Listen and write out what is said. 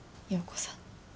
葉子さん